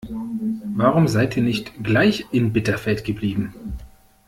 Warum seid ihr nicht gleich in Bitterfeld geblieben?